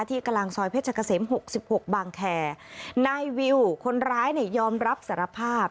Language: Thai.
ที่กำลังซอยเพชรกะเสม๖๖บางแคนายวิวคนร้ายน่ะยอมรับสารภาพ